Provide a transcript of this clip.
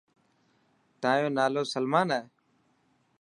تايون نالو سلمان هي.